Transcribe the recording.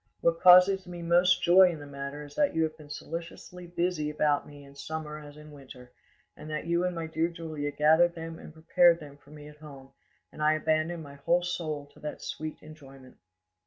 What causes me most joy in the matter is that you have been solicitously busy about me in summer as in winter, and that you and my dear Julia gathered them and prepared them for me at home, and I abandon my whole soul to that sweet enjoyment.